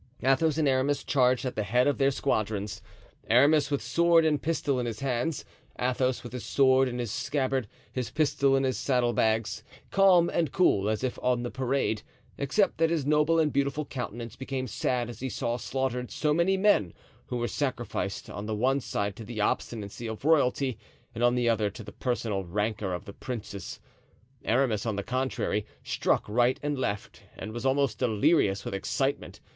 Athos and Aramis charged at the head of their squadrons; Aramis with sword and pistol in his hands, Athos with his sword in his scabbard, his pistol in his saddle bags; calm and cool as if on the parade, except that his noble and beautiful countenance became sad as he saw slaughtered so many men who were sacrificed on the one side to the obstinacy of royalty and on the other to the personal rancor of the princes. Aramis, on the contrary, struck right and left and was almost delirious with excitement.